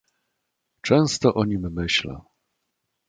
"Często o nim myślę."